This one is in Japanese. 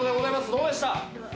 どうでした？